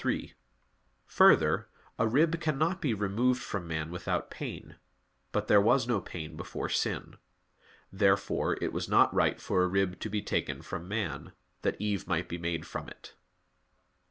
3: Further, a rib cannot be removed from man without pain. But there was no pain before sin. Therefore it was not right for a rib to be taken from the man, that Eve might be made from it.